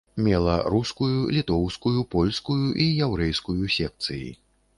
Мела рускую, літоўскую, польскую і яўрэйскую секцыі.